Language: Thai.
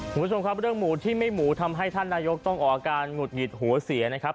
คุณผู้ชมครับเรื่องหมูที่ไม่หมูทำให้ท่านนายกต้องออกอาการหงุดหงิดหัวเสียนะครับ